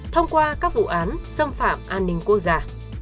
thông qua các vụ án xâm phạm an ninh quốc gia